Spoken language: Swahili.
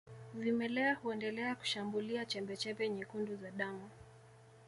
Vimelea huendelea kushambulia chembechembe nyekundu za damu